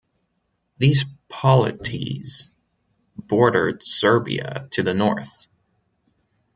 These polities bordered "Serbia" to the north.